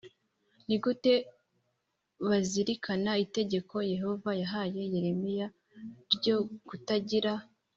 ni gute bazirikana itegeko Yehova yahaye Yeremiya ryo kutagira